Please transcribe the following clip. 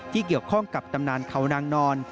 เกี่ยวข้องกับตำนานเขานางนอน